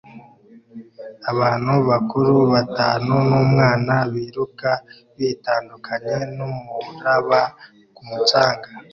Abantu bakuru batanu n'umwana biruka bitandukanye n'umuraba ku mucanga